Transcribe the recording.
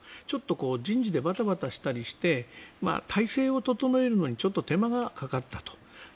ちょっと人事でバタバタしたりして体制を整えるのに手間がかかったと。